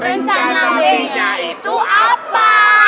rencana b nya itu apa